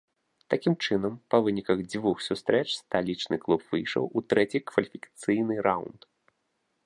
Такім чынам, па выніках дзвюх сустрэч сталічны клуб выйшаў у трэці кваліфікацыйны раўнд.